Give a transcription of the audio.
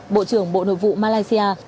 bộ trưởng bộ nội vụ malaysia